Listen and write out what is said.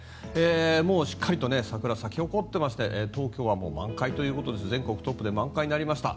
もうしっかりと桜、咲き誇っていまして東京は満開ということで全国トップで満開となりました。